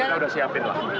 kita sudah siapin lah